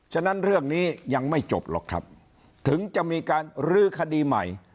ฉะนั้นเรื่องนี้ยังไม่จบหรอกครับถึงจะมีการรื้อคดีใหม่